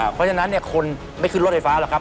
เพราะฉะนั้นเนี่ยคนไม่ขึ้นรถไฟฟ้าหรอกครับ